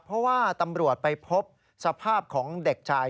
เพราะว่าตำรวจไปพบสภาพของเด็กชาย